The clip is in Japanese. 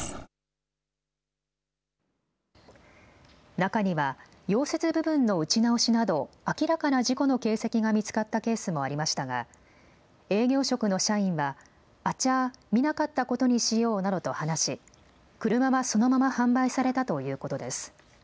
中には溶接部分の打ち直しなど明らかな事故の形跡が見つかったケースもありましたが営業職の社員はあちゃー、見なかったことにしようなどと話し、車はそのまま販売されたということです。